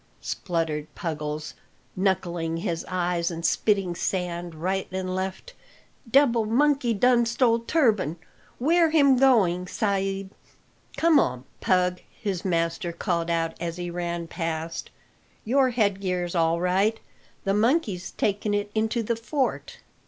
spluttered Puggles, knuckling his eyes and spitting sand right and left, "debil monkey done stole turban. Where him going, sa'b?" "Come on, Pug," his master called out as he ran past; "your headgear's all right the monkey's taken it into the fort."